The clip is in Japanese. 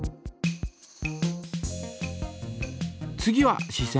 次はし線。